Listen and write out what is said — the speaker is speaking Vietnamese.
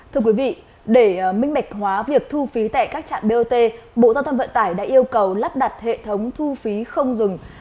thưa quý vị để minh bạch hóa việc thu phí tại các trạm bot bộ giao thông vận tải đã yêu cầu lắp đặt hệ thống thu phí không dừng